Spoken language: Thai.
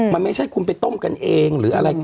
มันไม่ใช่คุณไปต้มกันเองหรืออะไร